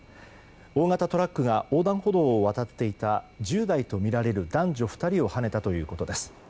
大型トラックが横断歩道を渡っていた１０代とみられる男女２人をはねたということです。